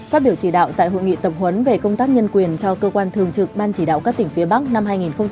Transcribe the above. phát biểu chỉ đạo tại hội nghị tập huấn về công tác nhân quyền cho cơ quan thường trực ban chỉ đạo các tỉnh phía bắc năm hai nghìn hai mươi